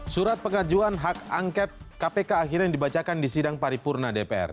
surat pengajuan hak angket kpk akhirnya dibacakan di sidang paripurna dpr